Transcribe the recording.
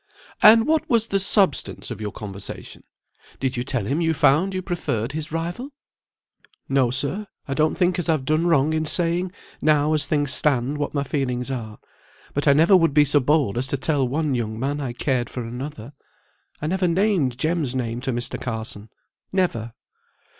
"And what was the substance of your conversation? Did you tell him you found you preferred his rival?" "No, sir. I don't think as I've done wrong in saying, now as things stand, what my feelings are; but I never would be so bold as to tell one young man I cared for another. I never named Jem's name to Mr. Carson. Never."